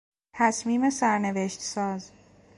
تصمیم سرنوشت ساز